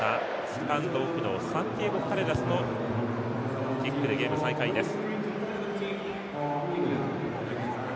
スタンドオフのサンティアゴ・カレラスのキックでゲーム再開です。